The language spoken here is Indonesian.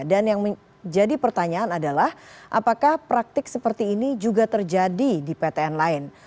dan yang menjadi pertanyaan adalah apakah praktik seperti ini juga terjadi di ptn lain